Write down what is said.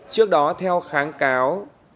trước đó theo kháng cáo